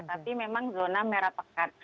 tapi memang zona merah pekat